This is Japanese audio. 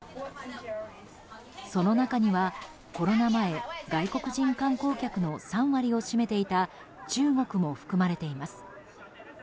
その中には、コロナ前外国人観光客の３割を占めていた中国も含まれています。